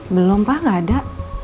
belum pak gak ada